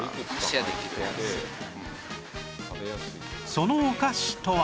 そのお菓子とは